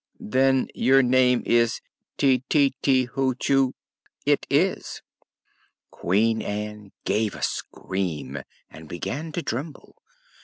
"Then your name is Ti ti ti Hoo choo?" "It is." Queen Ann gave a scream and began to tremble.